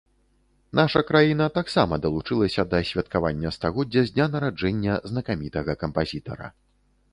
Наша краіна таксама далучылася да святкавання стагоддзя з дня нараджэння знакамітага кампазітара.